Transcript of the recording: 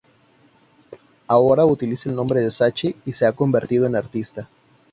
Ahora utiliza el nombre de Sachi y se ha convertido en artista.